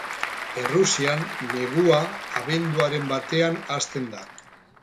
Errusian negua abenduaren batean hasten da.